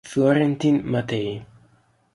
Florentin Matei